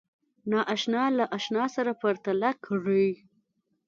ناآشنا له آشنا سره پرتله کړئ